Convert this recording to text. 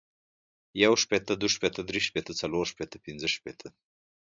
يو شپيته ، دوه شپيته ،دري شپیته ، څلور شپيته ، پنځه شپيته،